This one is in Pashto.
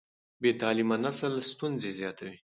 بې تعليمه نسل ستونزې زیاتوي.